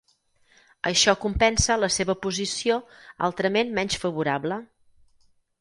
Això compensa la seva posició altrament menys favorable.